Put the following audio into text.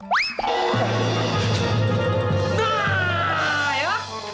wah ketauan lo ya